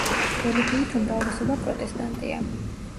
რელიგიით უმრავლესობა პროტესტანტია.